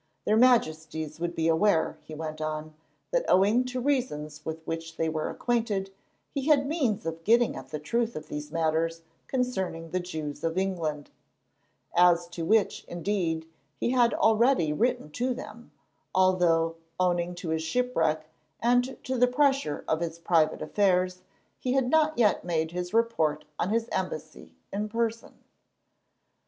Their Majesties would be aware, he went on, that, owing to reasons with which they were acquainted, he had means of getting at the truth of these matters concerning the Jews in England, as to which, indeed, he had already written to them, although, owing to his shipwreck and to the pressure of his private affairs, he had not yet made his report on his embassy in person.